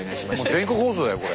全国放送だよこれ。